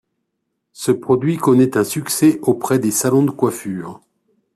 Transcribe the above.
Ce produit connait un succès auprès des salons de coiffure.